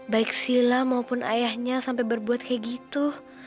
baik sila maupun ayahnya sampai berbuat kayak gitu